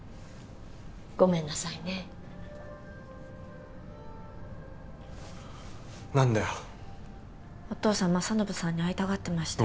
ごめんなさいね何だよお父さん政信さんに会いたがってました